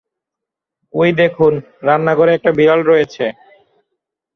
ওই দেখুন! রান্নাঘরে একটা বিড়াল রয়েছে!